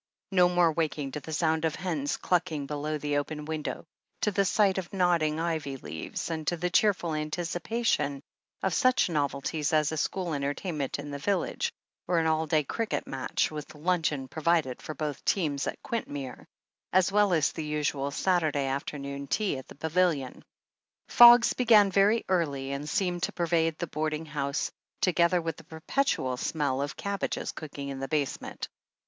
No more waking to the sound of the hens clucking below the open window, to the sight of nodding ivy leaves, and to the cheerful anticipation of such novelties as a school entertainment in the village, or an all day cricket match, with luncheon provided for both teams at Quintmere, as well as the usual Saturday afternoon tea at the pavilion. Fogs began very early, and seemed to pervade the boarding house, together with the perpetual smell of cabbages cooking in the basement.